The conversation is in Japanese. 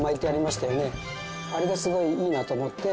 あれがすごいいいなと思って。